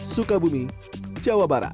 sukabumi jawa barat